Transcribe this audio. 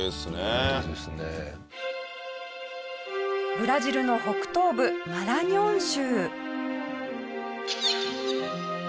ブラジルの北東部マラニョン州。